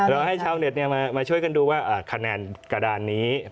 เราให้ชาวเน็ตเนี่ยมาช่วยกันดูว่าอ่าคะแนนกระดานนี้